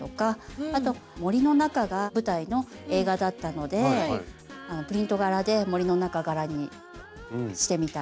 あと森の中が舞台の映画だったのでプリント柄で森の中柄にしてみたり。